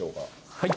はい。